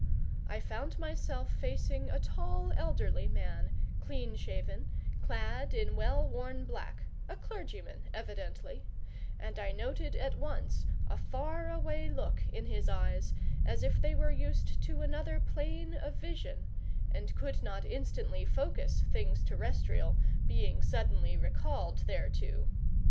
I found myself facing a tall elderly man, clean shaven, clad in well worn black a clergyman evidently; and I noted at once a far away look in his eyes, as if they were used to another plane of vision, and could not instantly focus things terrestrial, being suddenly recalled thereto.